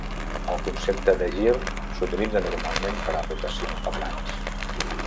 El concepte de gir s'utilitza normalment per a rotacions de plans.